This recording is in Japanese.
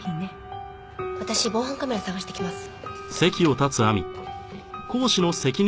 私防犯カメラ探してきます。